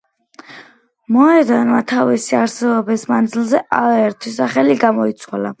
მოედანმა თავისი არსებობის მანძილზე არაერთი სახელი გამოიცვალა.